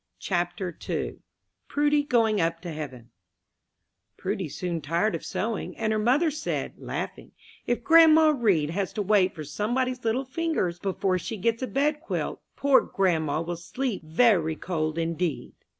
CHAPTER II PRUDY GOING UP TO HEAVEN Prudy soon tired of sewing, and her mother said, laughing, "If grandma Read has to wait for somebody's little fingers before she gets a bedquilt, poor grandma will sleep very cold indeed."